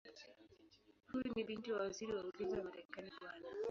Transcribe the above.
Huyu ni binti wa Waziri wa Ulinzi wa Marekani Bw.